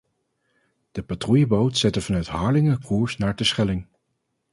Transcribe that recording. De patrouilleboot zette vanuit Harlingen koers naar Terschelling.